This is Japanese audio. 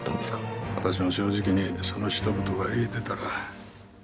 私も正直にそのひと言が言えてたら。